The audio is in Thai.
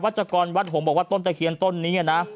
วัตชากรวัตหงค์บอกว่าต้นตะเขียนต้นนี้นะ